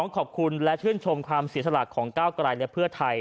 ขอบคุณและชื่นชมความเสียสละของก้าวกลายและเพื่อไทย